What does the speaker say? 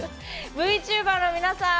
ＶＴｕｂｅｒの皆さん！